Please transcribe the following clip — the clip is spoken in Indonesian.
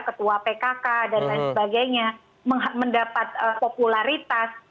ketua pkk dan lain sebagainya mendapat popularitas